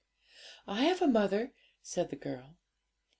'I have a mother,' said the girl.